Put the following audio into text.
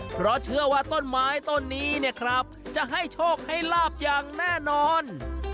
เพราะเชื่อว่าต้นไม้ต้นนี้เนี่ยครับจะให้โชคให้ลาบอย่างแน่นอน